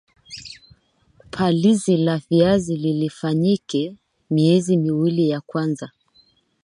palizi la viazi lifanyike miezi miwili ya kwanza